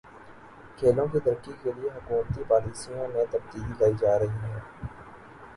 کھیلوں کی ترقی کے لیے حکومتی پالیسیوں میں تبدیلی لائی جا رہی ہے